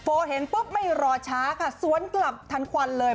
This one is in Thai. เห็นปุ๊บไม่รอช้าค่ะสวนกลับทันควันเลย